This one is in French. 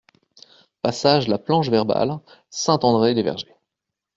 Passage La Planche Verbale, Saint-André-les-Vergers